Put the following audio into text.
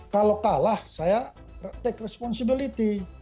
kalau kalah saya take responsibility